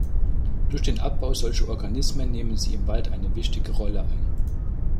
Durch den Abbau solcher Organismen nehmen sie im Wald eine wichtige Rolle ein.